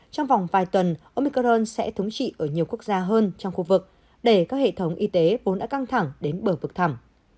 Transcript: trong vòng vài tuần ông micharon sẽ thống trị ở nhiều quốc gia hơn trong khu vực để các hệ thống y tế vốn đã căng thẳng đến bờ vực thảm